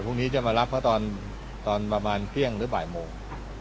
พรุ่งนี้จะมารับเขาตอนประมาณเที่ยงหรือบ่ายโมง